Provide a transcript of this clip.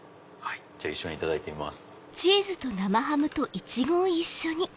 一緒にいただいてみます。